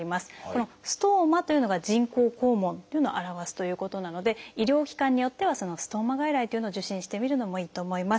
この「ストーマ」というのが人工肛門というのを表すということなので医療機関によってはそのストーマ外来というのを受診してみるのもいいと思います。